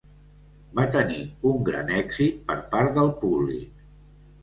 Va tenir un gran èxit per part del públic.